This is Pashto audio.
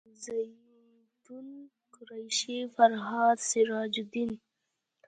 زیتونه قریشي فرهاد سراج الدین